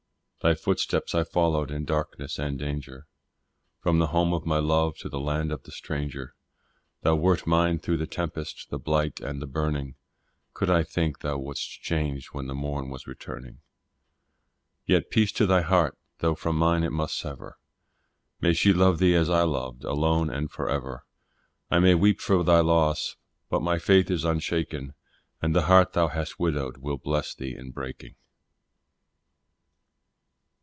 Thy footsteps I followed in darkness and danger, From the home of my love to the land of the stranger; Thou wert mine through the tempest, the blight, and the burning; Could I think thou wouldst change when the morn was returning. Yet peace to thy heart, though from mine it must sever, May she love thee as I loved, alone and for ever; I may weep for thy loss, but my faith is unshaken, And the heart thou hast widowed will bless thee in breaking.